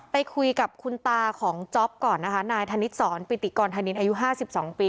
ไปคุยกับคุณตาของจ๊อปก่อนนะคะนายธนิษฐศรปิติกรธนินอายุ๕๒ปี